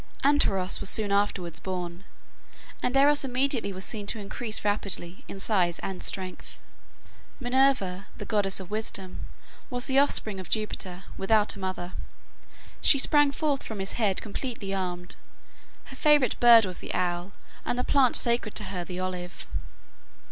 Anteros was soon afterwards born, and Eros immediately was seen to increase rapidly in size and strength. Minerva (Pallas, Athene), the goddess of wisdom, was the offspring of Jupiter, without a mother. She sprang forth from his head completely armed. Her favorite bird was the owl, and the plant sacred to her the olive.